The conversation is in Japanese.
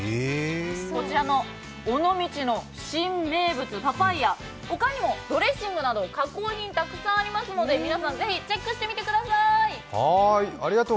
こちらの尾道の新名物、パパイヤ、ほかにもドレッシングなど加工品たくさんありますので、皆さんぜひチェックしてみてください！